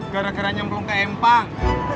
gara garanya belum ke empang